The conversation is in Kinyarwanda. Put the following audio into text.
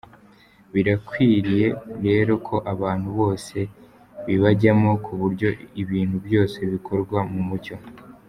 Birakwiriye rero ko abantu bose bibajyamo ku buryo ibintu byose bikorwa mu mucyo.